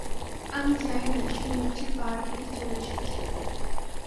আমি জানি না, সে নিশ্চয়ই পাহাড় কেটে চলে এসেছে।